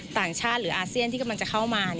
ต่างชาติหรืออาเซียนที่กำลังจะเข้ามา